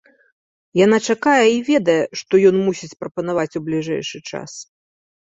Яна чакае і ведае, што ён мусіць прапанаваць у бліжэйшы час.